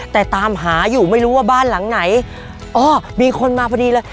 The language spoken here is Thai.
แต่ตามหาอยู่ไม่รู้ว่าบ้านหลังไหนอ้อมีคนมาพอดีเลย